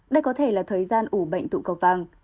đây có thể là thời gian ủ bệnh tụ cầu vàng